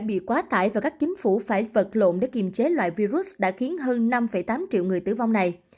bị quá tải và các chính phủ phải vật lộn để kiềm chế loại virus đã khiến hơn năm tám triệu người tử vong này